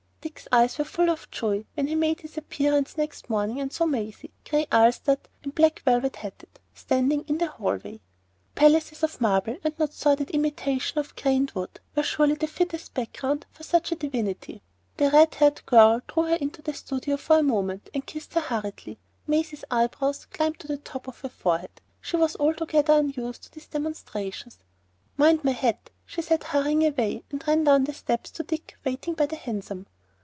Dick's eyes were full of joy when he made his appearance next morning and saw Maisie, gray ulstered and black velvet hatted, standing in the hallway. Palaces of marble, and not sordid imitation of grained wood, were surely the fittest background for such a divinity. The red haired girl drew her into the studio for a moment and kissed her hurriedly. Maisie's eyebrows climbed to the top of her forehead; she was altogether unused to these demonstrations. "Mind my hat," she said, hurrying away, and ran down the steps to Dick waiting by the hansom.